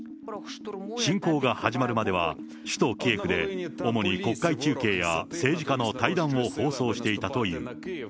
侵攻が始まるまでは、首都キエフで主に国会中継や政治家の対談を放送していたという。